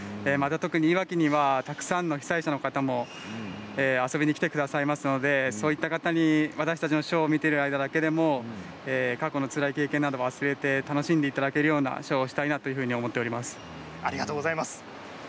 また特にいわきにはたくさんの被災者の方も遊びに来てくださいますのでそういった方に私たちのショーを見ている間だけでも過去のつらい経験なども忘れて楽しんでいただけるようなショーをしたいなとありがとうございます。